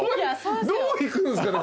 どう行くんすかね